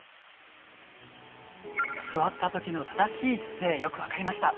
座った時の正しい姿勢よく分かりました。